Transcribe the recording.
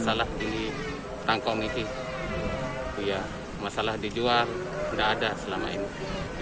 masalah di tangkong ini masalah dijual tidak ada selama ini